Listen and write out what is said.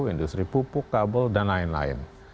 industri pupuk kabel dan lain lain